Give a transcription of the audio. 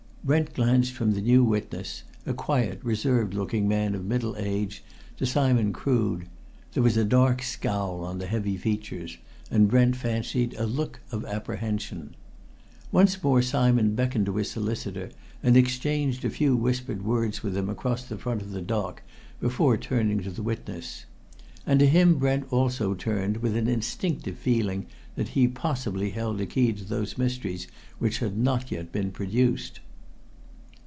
Brent glanced from the new witness, a quiet, reserved looking man of middle age, to Simon Crood. There was a dark scowl on the heavy features, and, Brent fancied, a look of apprehension. Once more Simon beckoned to his solicitor and exchanged a few whispered words with him across the front of the dock before turning to the witness. And to him Brent also turned, with an instinctive feeling that he possibly held a key to those mysteries which had not yet been produced.